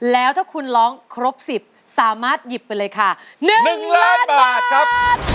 แล้วถ้าคุณร้องครบ๑๐สามารถหยิบไปเลยค่ะ๑ล้านบาทครับ